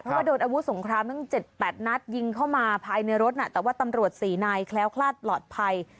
เพราะว่าโดนอาวุธสงครามตั้ง๗๘นัดยิงเข้ามาภายในรถน่ะแต่ว่าตำรวจ๔นายแคล้วคลาดปลอดภัย